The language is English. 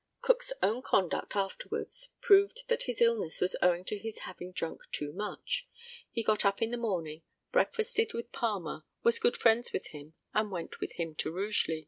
] Cook's own conduct afterwards proved that his illness was owing to his having drunk too much. He got up in the morning, breakfasted with Palmer, was good friends with him, and went with him to Rugeley.